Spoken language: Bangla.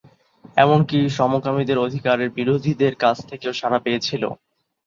এমনকি সমকামীদের অধিকারের বিরোধীদের কাছ থেকেও সাড়া পেয়েছিল।